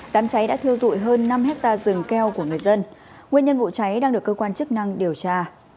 đám cháy đã thiêu dụi hơn năm hectare rừng keo của người dân nguyên nhân vụ cháy đang được cơ quan chức năng điều tra